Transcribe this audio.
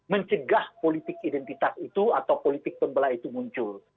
mencegah politik identitas itu atau politik pembelah itu muncul